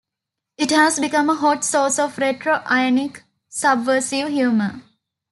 It has become a hot source of retro-ironic-subversive humor.